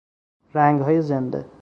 رنگهای زنده